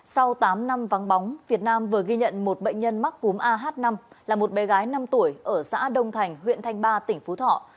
sau tám năm vắng bóng việt nam vừa ghi nhận một bệnh nhân mắc cúm ah năm là một bé gái năm tuổi ở xã đông thành huyện thanh ba tỉnh phú thọ